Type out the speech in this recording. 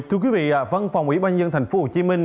thưa quý vị văn phòng ủy ban dân thành phố hồ chí minh